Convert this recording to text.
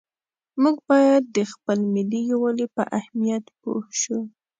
موږ باید د خپل ملي یووالي په اهمیت پوه شو.